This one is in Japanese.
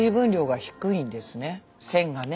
線がね。